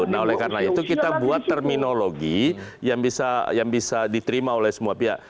nah oleh karena itu kita buat terminologi yang bisa diterima oleh semua pihak